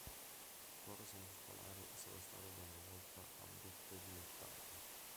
Il coro semicircolare è sovrastato da una volta a botte lunettata.